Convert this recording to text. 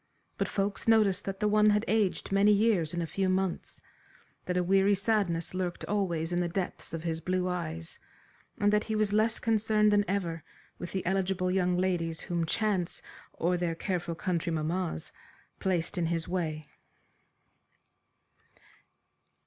But folks noticed that the one had aged many years in a few months, that a weary sadness lurked always in the depths of his blue eyes, and that he was less concerned than ever with the eligible young ladies whom chance, or their careful country mammas, placed in his way.